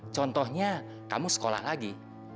contohnya kamu sekolah lagi